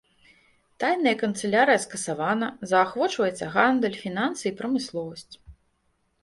Тайная канцылярыя скасавана, заахвочваецца гандаль, фінансы і прамысловасць.